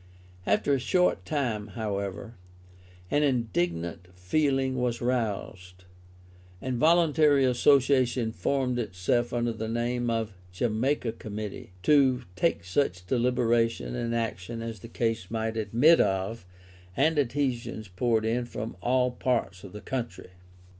After a short time, however, an indignant feeling was roused: a voluntary Association formed itself under the name of the Jamaica Committee, to take such deliberation and action as the case might admit of, and adhesions poured in from all parts of the country.